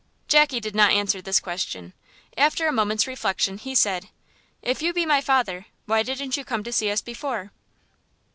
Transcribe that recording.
Jackie did not answer this question. After a moment's reflection, he said, "If you be father, why didn't you come to see us before?"